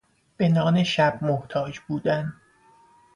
به نان شب محتاج بودن